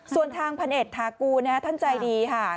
ส่วนทางพันเอกทากูลท่านใจดีค่ะ